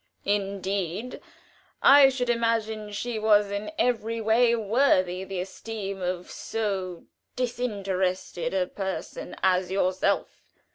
"Indeed! I should imagine she was in every way worthy the esteem of so disinterested a person as yourself.